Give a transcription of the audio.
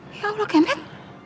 ya allah kemet